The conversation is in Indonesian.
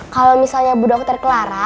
kalau misalnya bu dr clara